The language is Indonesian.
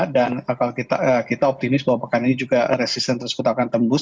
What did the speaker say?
dan kalau kita optimis bahwa pekan ini juga resisten tersebut akan tembus